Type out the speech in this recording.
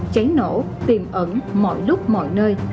cháy nổ tiềm ẩn mọi lúc mọi nơi